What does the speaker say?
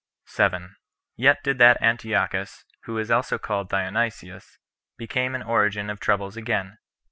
7. Yet did that Antiochus, who was also called Dionysius, become an origin of troubles again.